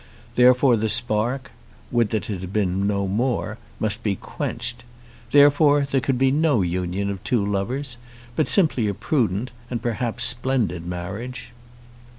Therefore the spark, would that it had been no more! must be quenched. Therefore there could be no union of two lovers; but simply a prudent and perhaps splendid marriage.